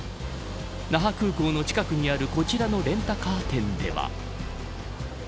那覇空港の近くにあるこちらのレンタカー店では。